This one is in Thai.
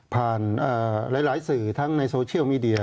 หลายสื่อทั้งในโซเชียลมีเดีย